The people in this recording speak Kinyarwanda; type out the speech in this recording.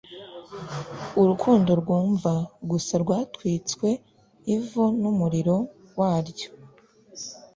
urukundo rwumva gusa rwatwitswe ivu n'umuriro waryo,